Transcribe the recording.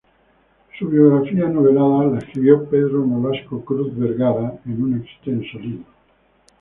Su biografía novelada la escribió Pedro Nolasco Cruz Vergara en un extenso libro.